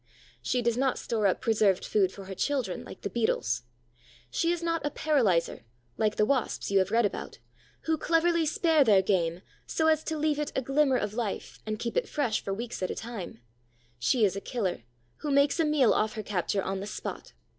She does not store up preserved food for her children, like the Beetles; she is not a "paralyzer," like the Wasps you have read about, who cleverly spare their game so as to leave it a glimmer of life and keep it fresh for weeks at a time; she is a killer, who makes a meal off her capture on the spot.